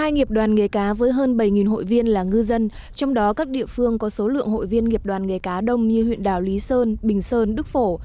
một mươi nghiệp đoàn nghề cá với hơn bảy hội viên là ngư dân trong đó các địa phương có số lượng hội viên nghiệp đoàn nghề cá đông như huyện đảo lý sơn bình sơn đức phổ